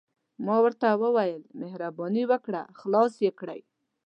ما ورته وویل: مهرباني وکړه، خلاص يې کړئ.